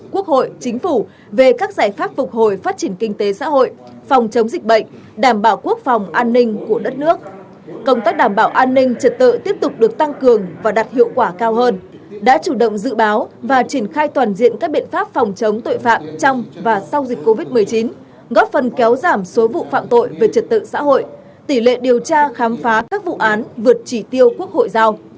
công tác đảm bảo an ninh trật tự tiếp tục được tăng cường và đạt hiệu quả cao hơn đã chủ động dự báo và triển khai toàn diện các biện pháp phòng chống tội phạm trong và sau dịch covid một mươi chín góp phần kéo giảm số vụ phạm tội về trật tự xã hội tỷ lệ điều tra khám phá các vụ án vượt chỉ tiêu quốc hội giao